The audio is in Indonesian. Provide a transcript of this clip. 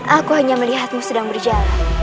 aku hanya melihatmu sedang berjalan